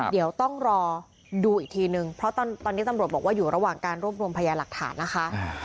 เดี๋ยวต้องรอดูอีกทีนึงเพราะตอนนี้ตำรวจบอกว่าอยู่ระหว่างการรวบรวมพยาหลักฐานนะคะ